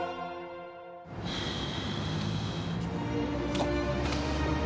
あっ。